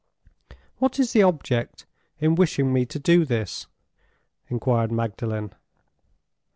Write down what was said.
"What is your object in wishing me to do this?" inquired Magdalen.